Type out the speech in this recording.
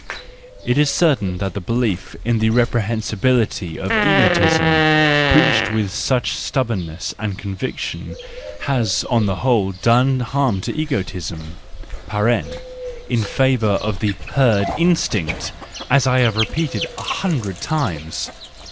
—It is certain that the belief in the reprehensibility of egoism, preached with such stubbornness and conviction, has on the whole done harm to egoism (in favour of the herd instinct y as I shall repeat a hundred times!)